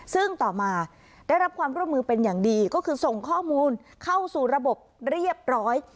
ซึ่งต่อมาได้รับความร่วมมือเป็นอย่างดีก็คือส่งข้อมูลเข้าสู่ระบบเรียบร้อย